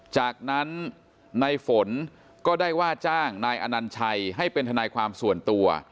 จากนั้นในฝนก็ได้ว่าจ้างนายอนัญชัยให้เป็นทนายความส่วนตัว